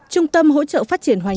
trung tâm hỗ trợ phát triển hoàn kỳ